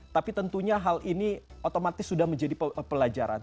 tapi tentunya hal ini otomatis sudah menjadi pelajaran